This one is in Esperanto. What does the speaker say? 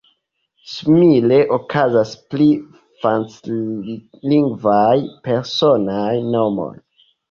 Simile okazas pri franclingvaj personaj nomoj.